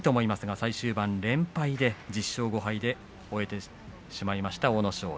最終盤、連敗で、１０勝５敗で終えました阿武咲です。